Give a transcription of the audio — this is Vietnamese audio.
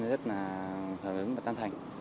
rất là hợp ứng và tan thành